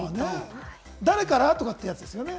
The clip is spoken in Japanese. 誰から？ってやつですね。